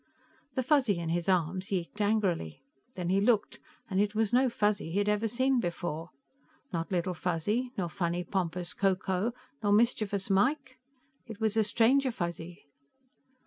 The Fuzzy in his arms yeeked angrily. Then he looked, and it was no Fuzzy he had ever seen before not Little Fuzzy, nor funny, pompous Ko Ko, nor mischievous Mike. It was a stranger Fuzzy.